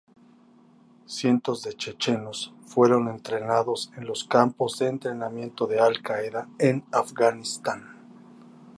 Cientos de chechenos fueron entrenados en los campos de entrenamientos de Al-Qaeda en Afganistán.